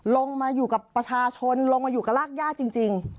ลงมาอยู่กับประชาชนลงมาอยู่กับรากย่าจริง